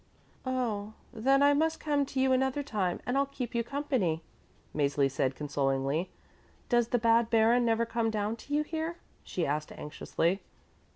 "Oh, then I must come to you another time and I'll keep you company," Mäzli said consolingly. "Does the bad baron never come down to you here?" she asked anxiously.